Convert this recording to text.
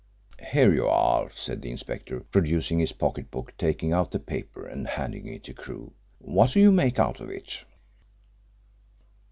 "Here you are," said the inspector, producing his pocket book, taking out the paper, and handing it to Crewe. "What do you make of it?"